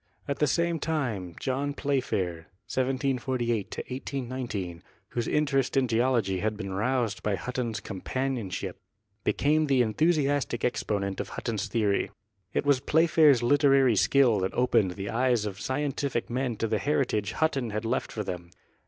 At the same time John Playfair (1748 1819), whose interest in geology had been roused by Hutton's compan ionship, became the enthusiastic exponent of Hutton's theory. It was Playfair's literary skill that opened the eyes of scientific men to the heritage Hutton had left for them.